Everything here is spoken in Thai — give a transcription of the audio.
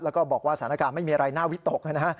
แล้วก็บอกว่าสถานการณ์ไม่มีอะไรน่าวิตกนะฮะ